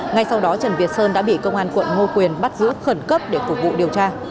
ngay sau đó trần việt sơn đã bị công an quận ngô quyền bắt giữ khẩn cấp để phục vụ điều tra